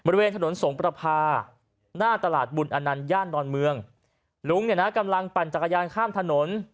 บริเวณถนนสงประพาหน้าตลาดบุญอนันต์ย่านดอนเมืองลุงเนี่ยนะกำลังปั่นจักรยานข้ามถนน